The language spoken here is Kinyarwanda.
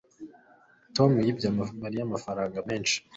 tom yibye mariya amafaranga menshi